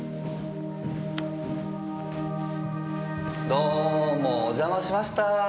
どーもお邪魔しました！